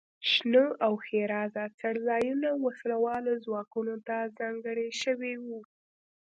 شنه او ښېرازه څړځایونه وسله والو ځواکونو ته ځانګړي شوي وو.